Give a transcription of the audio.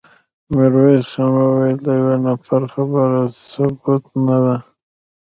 ميرويس خان وويل: د يوه نفر خبره ثبوت نه ده.